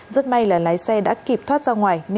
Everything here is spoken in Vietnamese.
rất may là lái xe đã kịp thoát ra ngoài